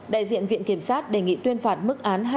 đại diện viện kiểm sát đề nghị tuyên phạt mức án